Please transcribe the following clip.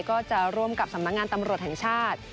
ก็จะร่วมกับสำนักงานตำรวจแห่งชาติ